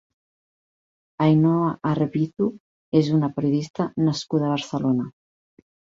Ainhoa Arbizu és una periodista nascuda a Barcelona.